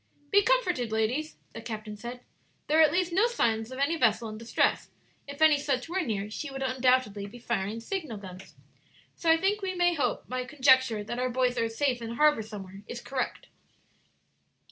"Be comforted, ladies," the captain said; "there are at least no signs of any vessel in distress; if any such were near, she would undoubtedly be firing signal guns. So I think we may hope my conjecture that our boys are safe in harbor somewhere, is correct."